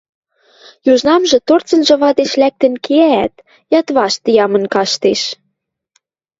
Южнамжы торцынжы вадеш лӓктӹн кеӓӓт, йыдвашт ямын каштеш.